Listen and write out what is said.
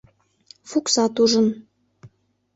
Фуксат ужын.